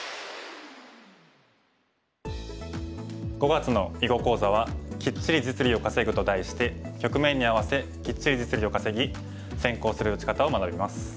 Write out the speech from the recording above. ５月の囲碁講座は「キッチリ実利を稼ぐ」と題して局面に合わせキッチリ実利を稼ぎ先行する打ち方を学びます。